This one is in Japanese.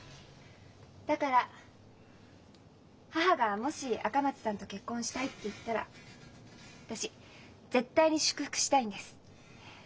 だから母がもし赤松さんと結婚したいって言ったら私絶対に祝福したいんです。